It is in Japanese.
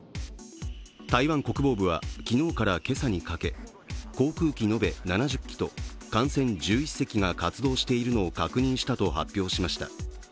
台湾国防部は昨日から今朝にかけ、航空機延べ７０機と艦船１１隻が活動しているのを確認したと発表しました。